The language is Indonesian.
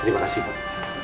terima kasih pak